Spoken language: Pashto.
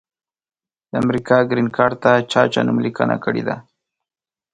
د امریکا ګرین کارټ ته چا چا نوملیکنه کړي ده؟